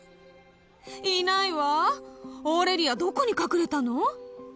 いないわオーレリアどこに隠れたの？